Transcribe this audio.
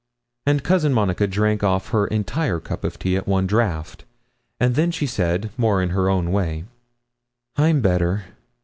And Cousin Monica drank off her entire cup of tea at one draught, and then she said, more in her own way 'I'm better!'